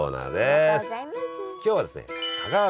ありがとうございます。